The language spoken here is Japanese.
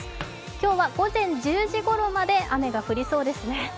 今日は午前１０時ごろまで雨が降りそうですね。